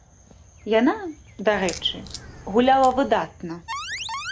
Яна, дарэчы, гуляла выдатна.